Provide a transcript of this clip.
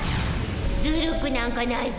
ずるくなんかないぞ。